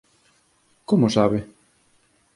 Como o sabe?